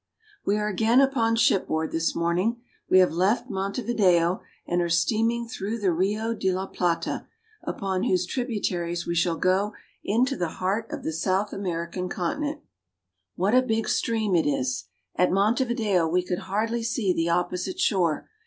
WE are again upon shipboard this morning. We have left Montevideo and are steaming through the Rio de la Plata, upon whose tributaries we shall go into the heart of the South American continent. HEART OF SOUTH AMERICA. 209 What a big stream it is! At Montevideo we could hardly see the opposite shore.